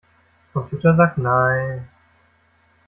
Computer sagt nein.